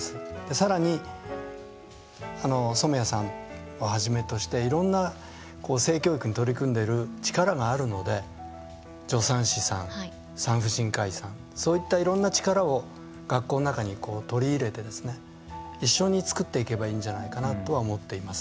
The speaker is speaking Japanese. さらに、染矢さんをはじめとしていろんな性教育に取り組んでいる力があるので助産師さん、産婦人科医さんそういったいろんな力を学校の中に取り入れて一緒に作っていけばいいんじゃないかなとは思っています。